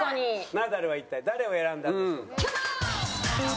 ナダルは一体誰を選んだんでしょうか？